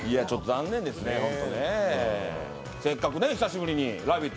残念ですね、せっかく久しぶりに「ラヴィット！」